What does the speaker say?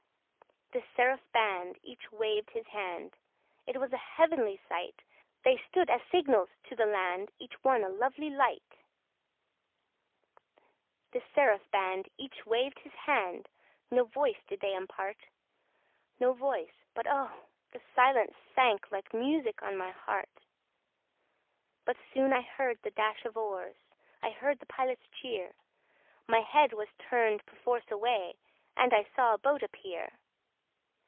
This seraph band, each waved his hand: It was a heavenly sight! They stood as signals to the land, Each one a lovely light: This seraph band, each waved his hand, No voice did they impart No voice; but oh! the silence sank Like music on my heart. But soon I heard the dash of oars; I heard the Pilot's cheer; My head was turned perforce away, And I saw a boat appear.